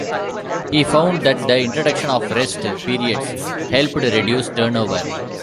He found that the introduction of rest periods helped reduce turnover.